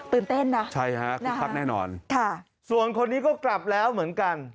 ตื่นเต้นนะนะคะค่ะค่ะส่วนคนนี้ก็กลับแล้วเหมือนกัน